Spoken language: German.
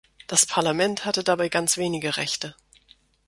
Das Parlament hatte dabei ganz wenige Rechte.